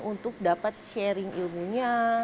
untuk dapat sharing ilmunya